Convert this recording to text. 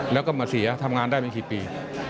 แล้วก็โหม่นเสียทำงานได้บินกี่ปี